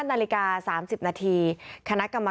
ในเวลาเดิมคือ๑๕นาทีครับ